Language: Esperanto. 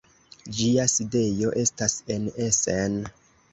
Ĝia sidejo estas en Essen.